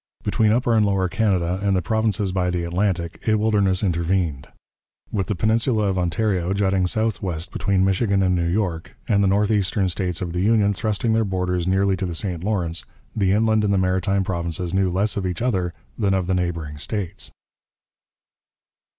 Between Upper and Lower Canada and the provinces by the Atlantic a wilderness intervened. With the peninsula of Ontario jutting southwest between Michigan and New York, and the northeastern states of the Union thrusting their borders nearly to the St Lawrence, the inland and the maritime provinces knew less of each other than of the neighbouring states.